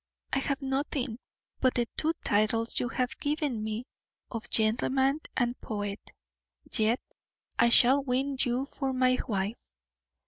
I have nothing but the two titles you have given me, of gentleman and poet yet I shall win you for my wife.